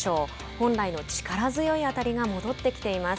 本来の力強い当たりが戻ってきています。